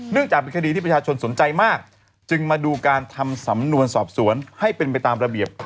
จากเป็นคดีที่ประชาชนสนใจมากจึงมาดูการทำสำนวนสอบสวนให้เป็นไปตามระเบียบ